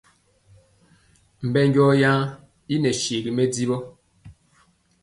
Mbɛnjɔ yen i nɛ sewi mɛdivɔ.